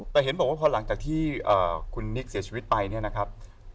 แต่เห็นบอกว่าพอหลังจากที่คุณนิกเสียชีวิตไปเนี่ยนะครับ